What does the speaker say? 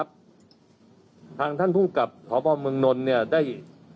ประเด็นนี้นะครับทางท่านผู้กลับขอบพรมเมืองนท์เนี่ยได้